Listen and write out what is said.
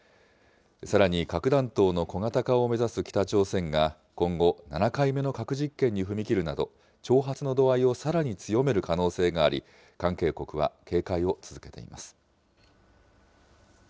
さらに、核弾頭の小型化を目指す北朝鮮が今後、７回目の核実験に踏み切るなど、挑発の度合いをさらに強める可能性があり、関係国は警戒を続けています。